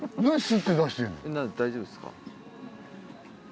大丈夫っすか？